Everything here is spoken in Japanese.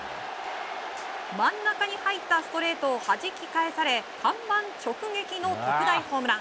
真ん中に入ったストレートをはじき返され看板直撃の特大ホームラン。